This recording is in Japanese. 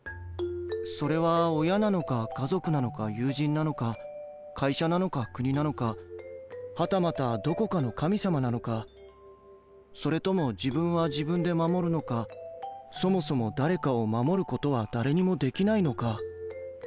それは親なのか家族なのか友人なのか会社なのか国なのかはたまたどこかの神様なのかそれとも自分は自分で守るのかそもそも誰かを守ることは誰にもできないのか。